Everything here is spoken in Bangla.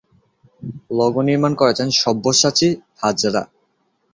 লোগো নির্মাণ করেছেন সব্যসাচী হাজরা।